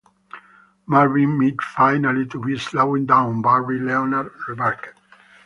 "Marvin might finally be slowing down, Barry" Leonard remarked.